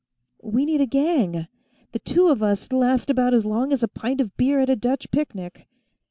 "We need a gang; the two of us'd last about as long as a pint of beer at a Dutch picnic."